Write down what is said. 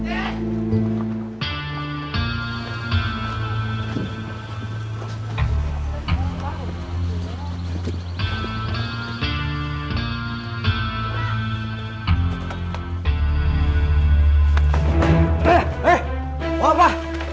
eh eh apa